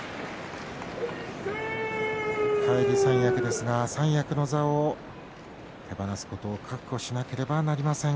返り三役ですが三役の座を手放すことを覚悟しなければなりません